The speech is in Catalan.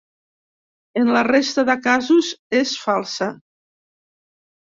En la resta de casos, és falsa.